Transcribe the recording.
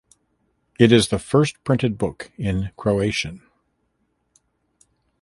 It is the first printed book in Croatian.